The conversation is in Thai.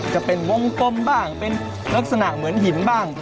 จะเป็นวงกลมบ้างเป็นลักษณะเหมือนหินบ้าง